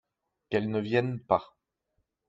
Qu’elles ne viennent pas.